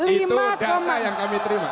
itu data yang kami terima